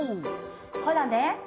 ほらね。